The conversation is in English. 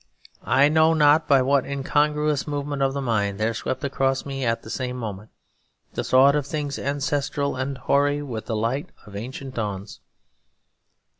I know not by what incongruous movement of the mind there swept across me, at the same moment, the thought of things ancestral and hoary with the light of ancient dawns.